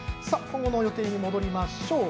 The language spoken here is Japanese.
今後の予定に戻ります。